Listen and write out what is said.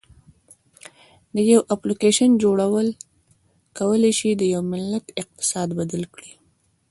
د یو اپلیکیشن جوړول کولی شي د یو ملت اقتصاد بدل کړي.